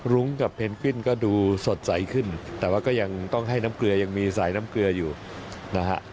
รุ้งกับเพนกวินก็ดูสดใสขึ้นแต่ว่าก็ยังต้องให้น้ำเกลือยังมีสายน้ำเกลืออยู่นะฮะ